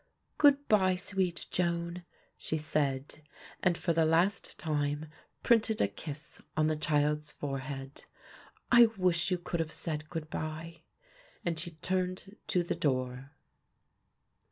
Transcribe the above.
"Good bye, sweet Joan," she said and for the last time printed a kiss on the child's forehead. "I wish you could have said good bye," and she turned to the door.